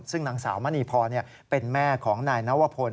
ซึ่งนางสาวมณีพรเป็นแม่ของนายนวพล